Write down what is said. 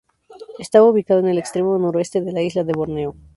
Estaba ubicado en el extremo noreste de la isla de Borneo.